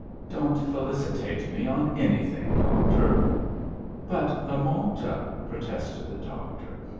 "Don't felicitate me on anything, Doctor!" "But the Malta!" protested the Doctor.